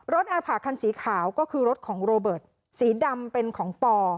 อาผ่าคันสีขาวก็คือรถของโรเบิร์ตสีดำเป็นของปอ